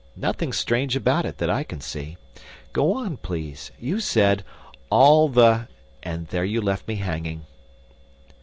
Nothing strange about it that I can see. Go on, please. You said, 'All the' and there you left me hanging."